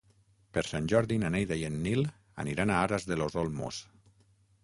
Per Sant Jordi na Neida i en Nil aniran a Aras de los Olmos.